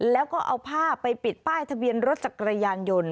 แล้วก็เอาผ้าไปปิดป้ายทะเบียนรถจักรยานยนต์